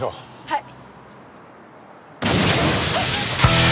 はい。